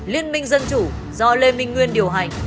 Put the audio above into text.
liên minh dân chủ do lê minh nguyên điều hành